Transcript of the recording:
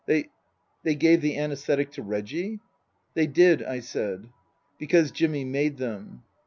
" They they gave the anaesthetic to Reggie ?"" They did," I said. " Because Jimmy made them."